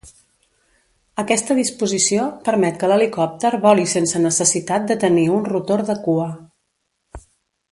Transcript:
Aquesta disposició permet que l'helicòpter voli sense necessitat de tenir un rotor de cua.